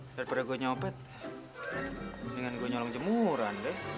daripada gue nyopet mendingan gue nyolong jemuran deh